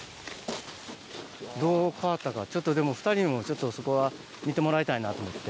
どう変わったかちょっとでも２人にもそこは見てもらいたいなと思って。